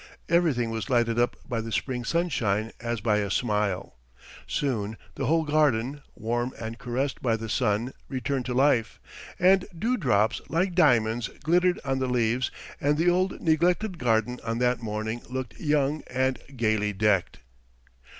Everything was lighted up by the spring sunshine as by a smile. Soon the whole garden, warm and caressed by the sun, returned to life, and dewdrops like diamonds glittered on the leaves and the old neglected garden on that morning looked young and gaily decked.